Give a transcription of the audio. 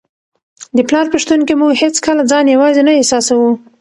د پلار په شتون کي موږ هیڅکله ځان یوازې نه احساسوو.